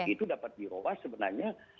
itu dapat di robah sebenarnya